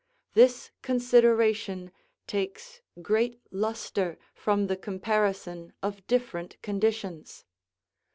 This consideration takes great lustre from the comparison of different conditions.